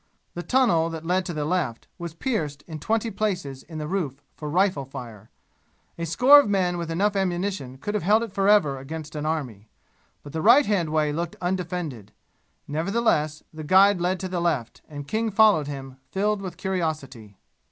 The tunnel that led to the left was pierced in twenty places in the roof for rifle fire; a score of men with enough ammunition could have held it forever against an army. But the right hand way looked undefended. Nevertheless, the guide led to the left, and King followed him, filled with curiosity.